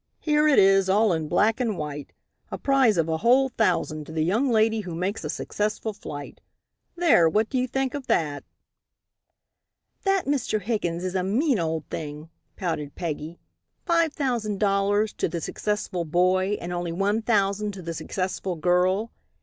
Here it is, all in black and white, a prize of a whole thousand to the young lady who makes a successful flight. There, what do you think of that?" "That Mr. Higgins is a mean old thing," pouted Peggy, "five thousand dollars to the successful boy and only one thousand to the successful girl.